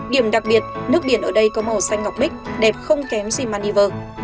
điểm đặc biệt nước biển ở đây có màu xanh ngọc bích đẹp không kém gì maldives